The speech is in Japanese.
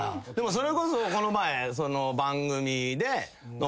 それこそこの前。